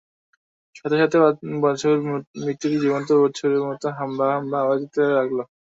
সাথে সাথে বাছুর মূর্তিটি জীবন্ত বাছুরের মত হাম্বা হাম্বা আওয়াজ দিতে লাগল।